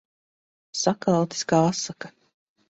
Sakaltis kā asaka.